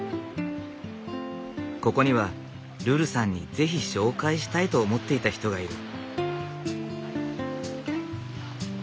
ここにはルルさんに是非紹介したいと思っていた人がいる。